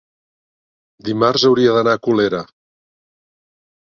dimarts hauria d'anar a Colera.